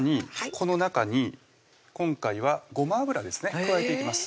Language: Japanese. この中に今回はごま油ですね加えていきます